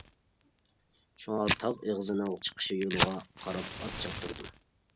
شۇڭا تاغ ئېغىزىنىڭ چىقىش يولىغا قاراپ ئات چاپتۇردۇم.